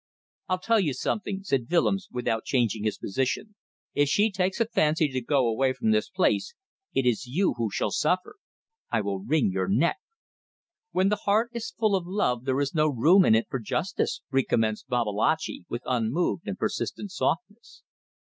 "I'll tell you something," said Willems, without changing his position; "if she takes a fancy to go away from this place it is you who shall suffer. I will wring your neck." "When the heart is full of love there is no room in it for justice," recommenced Babalatchi, with unmoved and persistent softness.